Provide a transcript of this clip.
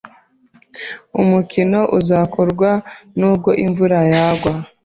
Umukino uzakorwa nubwo imvura yagwa.